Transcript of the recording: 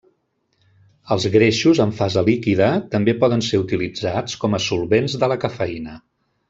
Els greixos en fase líquida també poden ser utilitzats com a solvents de la cafeïna.